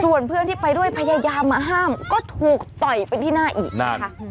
ส่วนเพื่อนที่ไปด้วยพยายามมาห้ามก็ถูกต่อยไปที่หน้าอีกนะคะ